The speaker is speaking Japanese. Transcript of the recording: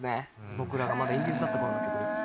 僕らがまだインディーズだった頃の曲です。